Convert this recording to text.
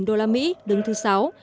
các lĩnh vực kinh tế chủ đại